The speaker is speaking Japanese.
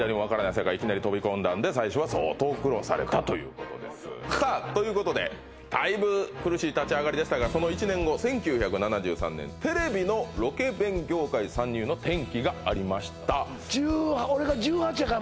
世界いきなり飛び込んだんで最初は相当苦労されたということですさあということでだいぶ苦しい立ち上がりでしたがその１年後１９７３年テレビのロケ弁業界参入の転機がありましたあっ